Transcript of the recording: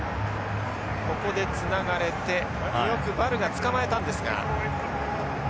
ここでつながれてよくヴァルが捕まえたんですが。